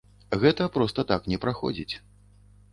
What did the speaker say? Гэта проста так не праходзіць.